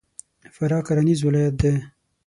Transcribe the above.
فراه کرهنیز ولایت دی.